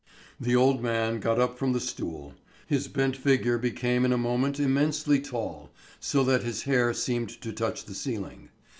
The old man got up from the stool. His bent figure became in a moment immensely tall, so that his hair seemed to touch the ceiling.